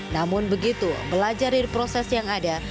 namun begitu belajarir proses yang ada